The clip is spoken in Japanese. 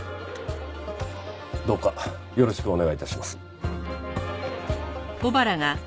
どうかよろしくお願い致します。